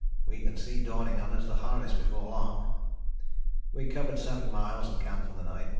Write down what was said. We can see dawning on us the harness before long. We covered seven miles and camped for the night.